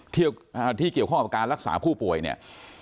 ที่เกี่ยวข้องกับการรักษาผู้ป่วยเนี่ย